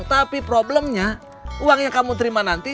tapi problemnya uang yang kamu terima nanti sama tidak